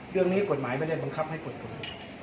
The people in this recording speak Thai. เรื่องนี้กฏหมายไม่ได้บังคับให้เปิดเวย์